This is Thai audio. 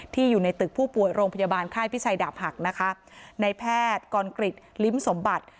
อยู่ในตึกผู้ป่วยโรงพยาบาลค่ายพิชัยดาบหักนะคะในแพทย์กรกริจลิ้มสมบัติ